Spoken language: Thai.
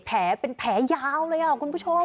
แผลยาวเลยครับคุณผู้ชม